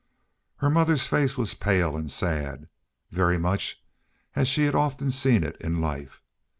Her mother's face was pale and sad, very much as she had often seen it in life.